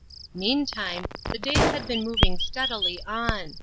Meantime, the days had been moving steadily on.